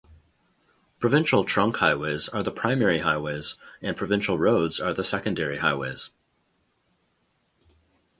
Provincial Trunk Highways are the primary highways, and Provincial Roads are the secondary highways.